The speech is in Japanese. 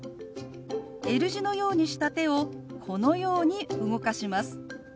Ｌ字のようにした手をこのように動かします。